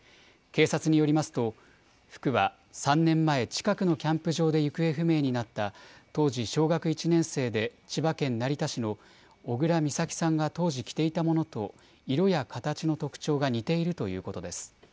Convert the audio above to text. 警察によりますと、服は３年前、近くのキャンプ場で行方不明になった当時小学１年生で、千葉県成田市の小倉美咲さんが当時着ていたものと、色や形の特徴が似ているということです。